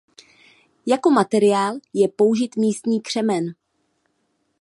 Jako materiál je použit místní křemen.